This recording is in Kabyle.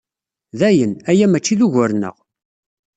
Dayen, aya maci d ugur-nneɣ.